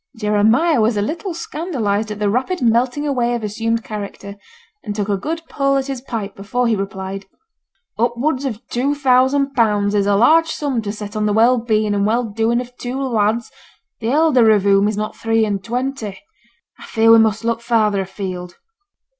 Jeremiah was a little scandalized at the rapid melting away of assumed character, and took a good pull at his pipe before he replied 'Upwards of two thousand pounds is a large sum to set on the well being and well doing of two lads, the elder of whom is not three and twenty. I fear we must look farther a field.'